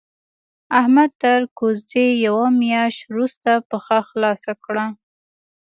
احمد تر کوزدې يوه مياشت روسته پښه خلاصه کړه.